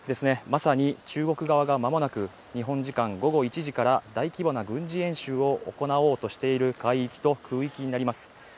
まさに中国側が間もなく日本時間午後１時から大規模な軍事演習を行おうとしている海域と空域になります